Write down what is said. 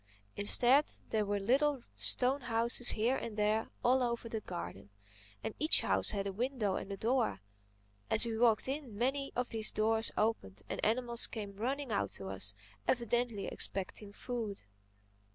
Instead there were little stone houses here and there all over the garden; and each house had a window and a door. As we walked in, many of these doors opened and animals came running out to us evidently expecting food.